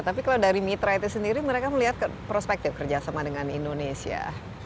tapi kalau dari mitra itu sendiri mereka melihat perspektif kerjasama dengan indonesia